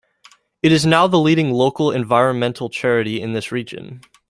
It is now the leading local environmental charity in this region.